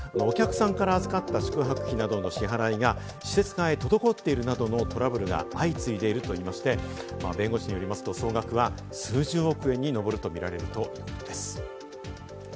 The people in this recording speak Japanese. お客さんから預かった宿泊費などの支払いが、施設側へ滞っているなどのトラブルが相次いでいるといいまして、弁護士によりますと、被害総額は数十億円に上ると見られるということです。